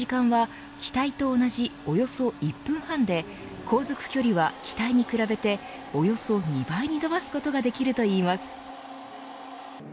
満たんに充填するために必要な時間は気体と同じおよそ１分半で航続距離は気体に比べておよそ２倍に延ばすことができるといいます。